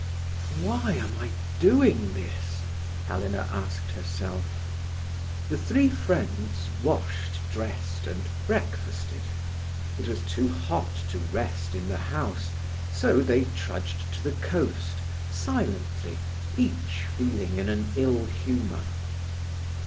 "Why am I doing this?" Helena asked herself. The three friends, washed, dressed, and breakfasted. It was too hot to rest in the house, so they trudged to the coast, silently, each feeling in an ill humour.